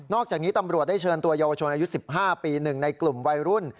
อกจากนี้ตำรวจได้เชิญตัวเยาวชนอายุ๑๕ปี๑ในกลุ่มวัยรุ่น